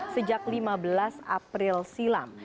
sejak lima belas april silam